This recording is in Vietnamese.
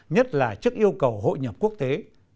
nhất là trước yêu cầu hội nhập quốc tế